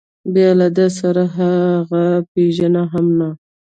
بیا له ده سره هغه پېژني هم نه.